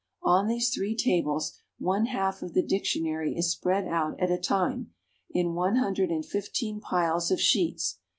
On these three tables one half of the Dictionary is spread out at a time, in one hundred and fifteen piles of sheets.